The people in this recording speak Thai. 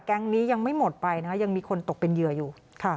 แก๊งนี้ยังไม่หมดไปนะคะยังมีคนตกเป็นเหยื่ออยู่